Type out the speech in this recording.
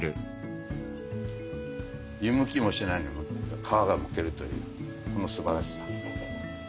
湯むきもしないのに皮がむけるというこのすばらしさ。ね？